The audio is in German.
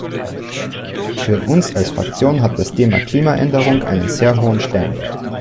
Für uns als Fraktion hat das Thema Klimaänderung einen sehr hohen Stellenwert.